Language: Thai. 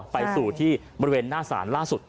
ไปสู่ที่บริเวณหน้าศาลล่าสุด